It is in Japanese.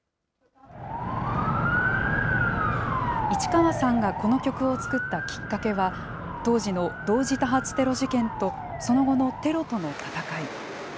市川さんがこの曲を作ったきっかけは、当時の同時多発テロ事件と、その後のテロとの戦い。